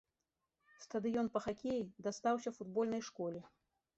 Стадыён па хакеі дастаўся футбольнай школе.